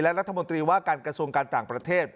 รัฐมนตรีว่าการกระทรวงการต่างประเทศ